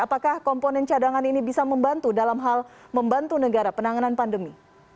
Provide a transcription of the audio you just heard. apakah komponen cadangan ini bisa membantu dalam hal membantu negara penanganan pandemi